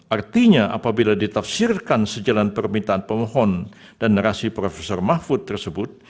artinya apabila ditafsirkan sejalan permintaan pemohon dan narasi prof mahfud tersebut